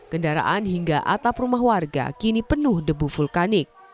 kendaraan hingga atap rumah warga kini penuh debu vulkanik